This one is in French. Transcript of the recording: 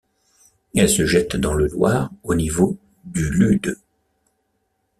Elle se jette dans le Loir au niveau du Lude.